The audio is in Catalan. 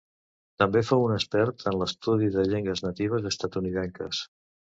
També fou un expert en l'estudi de llengües natives estatunidenques.